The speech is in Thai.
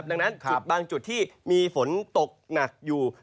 ดังนั้นจุดบางจุดที่มีฝนตกหนักอยู่